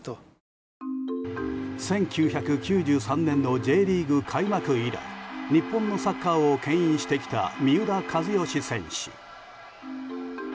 １９９３年のＪリーグ開幕以来日本のサッカーを牽引してきた三浦知良選手。